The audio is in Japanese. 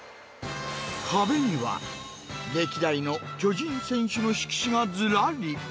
壁には、歴代の巨人選手の色紙がずらり。